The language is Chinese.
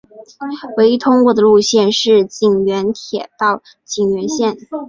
唯一通过的路线是井原铁道井原线。